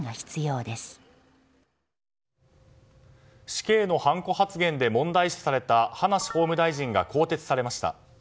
死刑のはんこ発言で問題視された葉梨法務大臣が更迭されました。